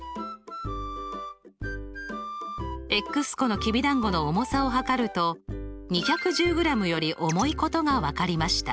個のきびだんごの重さを量ると２１０ｇより重いことが分かりました。